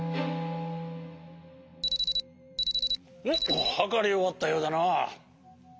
おっはかりおわったようだな。